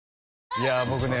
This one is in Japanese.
いや僕ね